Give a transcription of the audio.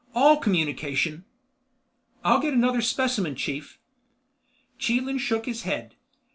All communication—?" "I'll get another specimen, chief." Chelan shook his head.